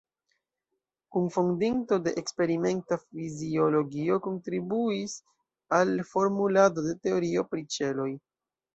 Kunfondinto de eksperimenta fiziologio, kontribuis al formulado de teorio pri ĉeloj.